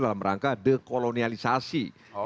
dalam rangka dekolonialisasi